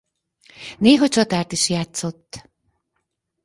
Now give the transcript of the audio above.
Néha csatárt is játszott.